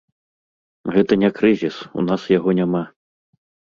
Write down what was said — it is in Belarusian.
Гэта не крызіс, у нас яго няма.